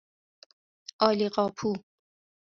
عالیقاپو